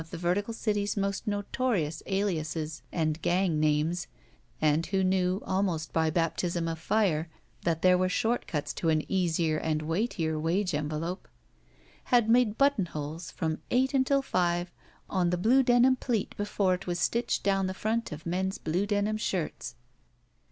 the vertical city's most notorious aliases and gang names, and who knew, almost by baptism of fire, that there were short cuts to an easier and weightier wage envelope, had made buttonholes from eight until five on the blue denim pleat before it was stitched down the front of men's blue denim shirts.